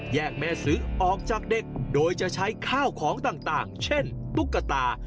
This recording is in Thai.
แม่ซื้อออกจากเด็กโดยจะใช้ข้าวของต่างเช่นตุ๊กตา